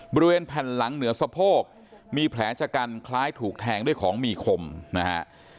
บริเวณแผ่นหลังเหนือสะโพกมีแผลชะกันคล้ายถูกแทงด้วยของมีคมนะฮะ